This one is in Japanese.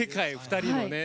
２人のね。